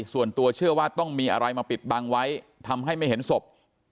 ส่วนตัวเชื่อว่าต้องมีอะไรมาปิดบังไว้ทำให้ไม่เห็นศพ